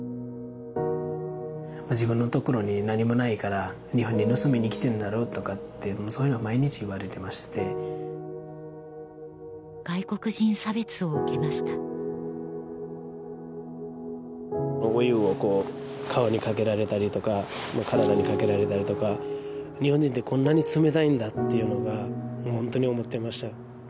自分のところに何もないから日本に盗みに来てんだろとかってそういうのを毎日言われてまして外国人差別を受けましたお湯をこう顔にかけられたりとか体にかけられたりとか日本人ってこんなに冷たいんだっていうのがもうホントに思ってました